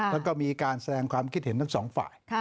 แล้วก็มีการแสดงความคิดเห็นทั้งสองฝ่าย